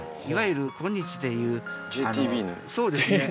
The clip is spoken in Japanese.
いわゆる今日でいうそうですね